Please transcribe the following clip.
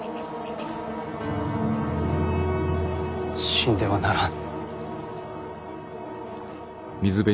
死んではならん。